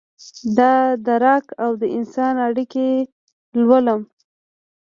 دادراک اودانسان اړیکې لولم